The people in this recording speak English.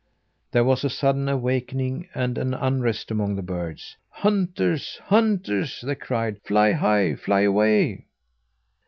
There was a sudden awakening, and an unrest among the birds. "Hunters! Hunters!" they cried. "Fly high! Fly away!"